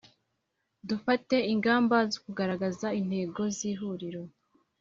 Dufate ingamba zo kugaragaza intego z’Ihuriro